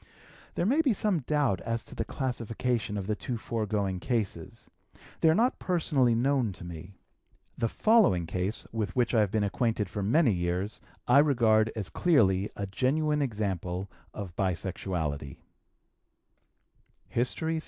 There may be some doubt as to the classification of the two foregoing cases: they are not personally known to me. The following case, with which I have been acquainted for many years, I regard as clearly a genuine example of bisexuality: HISTORY XXXI.